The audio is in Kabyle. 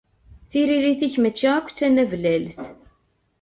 Tiririt-ik mačči akk d tanablalt.